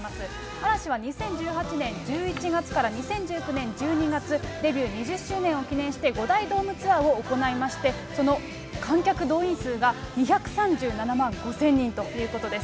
嵐は２０１８年１１月から２０１９年１２月、デビュー２０周年を記念して５大ドームツアーを行いまして、その観客動員数が２３７万５０００人ということです。